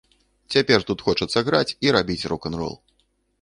Цяпер тут хочацца граць і рабіць рок-н-рол.